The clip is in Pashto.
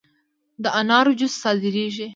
د انارو جوس صادریږي؟